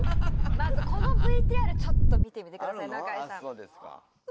まずこのＶＴＲちょっと見てみてください中居さん